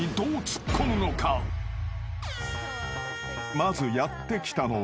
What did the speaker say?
［まずやって来たのは］